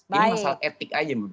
jadi masalah etik aja